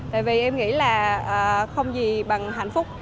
tại vì em nghĩ là không gì bằng hạnh phúc